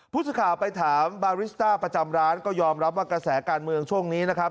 ผู้สื่อข่าวไปถามบาริสต้าประจำร้านก็ยอมรับว่ากระแสการเมืองช่วงนี้นะครับ